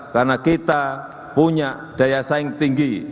karena kita punya daya saing tinggi